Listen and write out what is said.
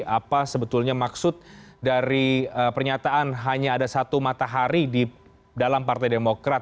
apa sebetulnya maksud dari pernyataan hanya ada satu matahari di dalam partai demokrat